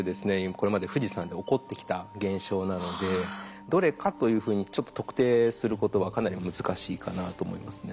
これまで富士山で起こってきた現象なのでどれかというふうに特定することはかなり難しいかなと思いますね。